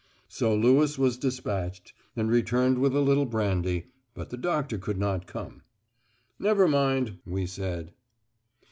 So Lewis was despatched, and returned with a little brandy, but the doctor could not come. "Never mind," we said.